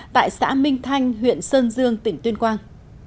tại xã minh thanh huyện sơn dương tỉnh tuyên quang